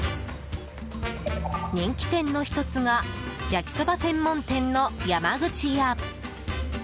人気店の１つが焼きそば専門店の山口屋。